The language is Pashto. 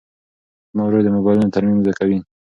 زما ورور د موبایلونو ترمیم زده کوي.